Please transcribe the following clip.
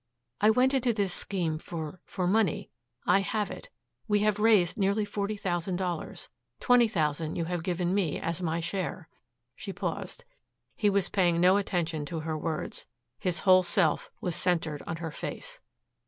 "I went into this scheme for for money. I have it. We have raised nearly forty thousand dollars. Twenty thousand you have given me as my share." She paused. He was paying no attention to her words. His whole self was centered on her face.